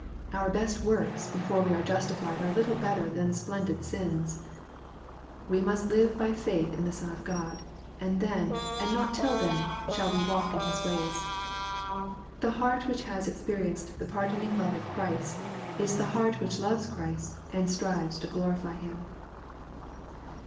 Our best works before we are justified are little better than splen did sins. We must live by faith in the Son of God, and then, and not till then, we shall walk in His ways. The heart which has experienced the pardoning love of Christ, is the heart which loves Christ, and strives to glorify Him.